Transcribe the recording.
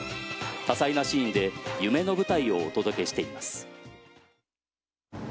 多彩なシーンで夢の舞台をお届けしています。